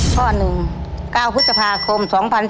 ข้อหนึ่ง๙พฤษภาคม๒๔๔๘